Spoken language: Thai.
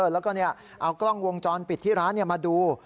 แล้วก็เอากล้องวงจรปิดที่ร้านมาดู